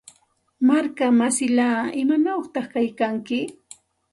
Markamsillaa, ¿imanawta kaykanki?